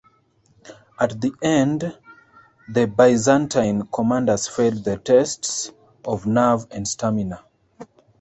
At the end the Byzantine commanders failed the test of nerve and stamina.